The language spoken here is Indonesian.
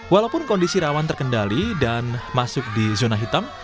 walaupun kondisi rawan terkendali dan masuk di zona hitam